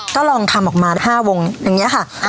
ก็ลองทำออกมา๕วงอย่างนี้ค่ะ